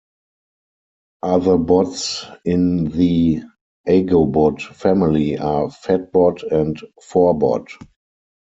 Other bots in the Agobot family are Phatbot and Forbot.